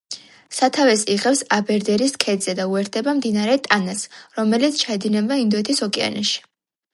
სათავეს იღებს აბერდერის ქედზე და უერთდება მდინარე ტანას, რომელიც ჩაედინება ინდოეთის ოკეანეში.